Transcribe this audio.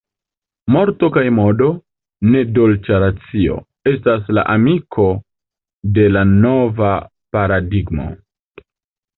Morto kaj modo, ne dolĉa racio, estas la amiko de la nova paradigmo.